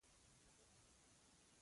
خلیفه وویل: هېڅ وخت نه درکووم.